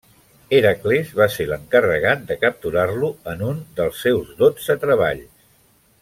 Hèracles va ser l'encarregat de capturar-lo en un dels seus dotze treballs.